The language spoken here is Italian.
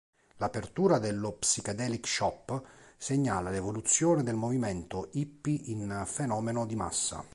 L'apertura dello Psychedelic Shop segna l'evoluzione del movimento hippy in fenomeno di massa.